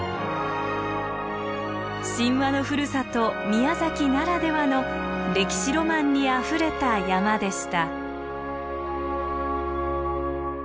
神話のふるさと宮崎ならではの歴史ロマンにあふれた山でした。